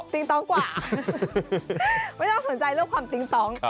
ต้องกว่าไม่ต้องสนใจเรื่องความปิ๊งตอง